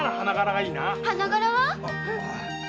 花柄は？